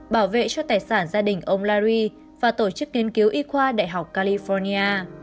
bảo vệ cho tài sản gia đình ông lary và tổ chức nghiên cứu y khoa đại học california